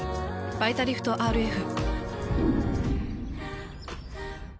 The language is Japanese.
「バイタリフトＲＦ」。